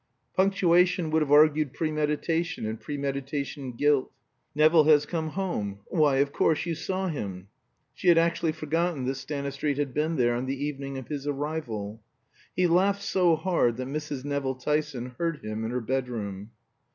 Punctuation would have argued premeditation, and premeditation guilt. "Nevill has come home why of course you saw him." She had actually forgotten that Stanistreet had been there on the evening of his arrival. He laughed so loud that Mrs. Nevill Tyson heard him in her bedroom.